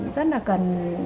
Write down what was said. rất là cần